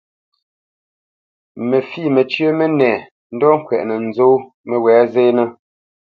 Mə fǐ məcyə́ mənɛ ndɔ́ ŋkwɛʼnə́ nzó məwɛ̌ zénə́.